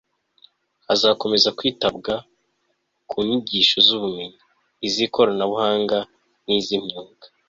hazakomeza kwitabwa ku nyigisho z'ubumenyi, iz'ikoranabuhanga n'iz'imyuga